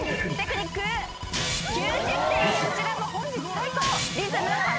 こちらも本日最高。